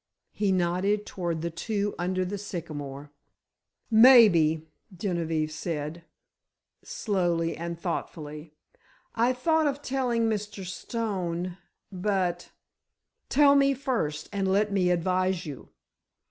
He nodded toward the two under the sycamore. "Maybe," Genevieve said, slowly and thoughtfully, "I thought of telling Mr. Stone—but——" "Tell me first, and let me advise you."